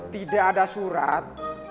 tidak ada surat